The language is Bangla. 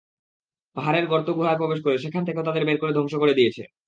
পাহাড়ে গর্ত-গুহায় প্রবেশ করে সেখান থেকেও তাদেরকে বের করে ধ্বংস করে দিয়েছে।